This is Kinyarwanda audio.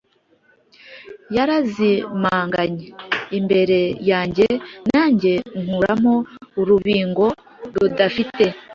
Yarazimanganye imbere yanjye Nanjye nkuramo urubingo rudafite.